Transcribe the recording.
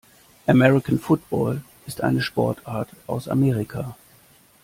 American Football ist eine Sportart aus Amerika.